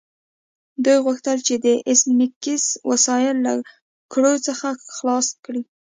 دوی غوښتل چې د ایس میکس وسایل له ګرو څخه خلاص کړي